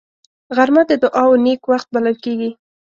غرمه د دعاو نېک وخت بلل کېږي